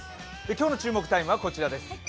今日の注目タイムはこちらです。